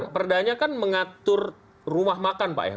perdanya kan mengatur rumah makan pak ya